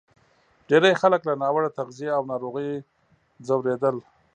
ډېری خلک له ناوړه تغذیې او ناروغیو ځورېدل.